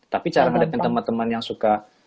tapi cara menghadapi teman teman yang suka